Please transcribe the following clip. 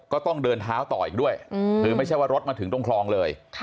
ก็ต้องเดินเท้าต่ออีกด้วยคือไม่ใช่ว่ารถมาถึงตรงคลองเลย